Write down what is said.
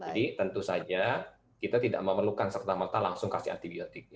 jadi tentu saja kita tidak memerlukan serta merta langsung kasih antibiotik